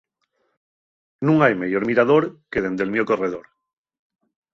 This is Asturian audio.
Nun hai meyor mirador que dende'l mio corredor.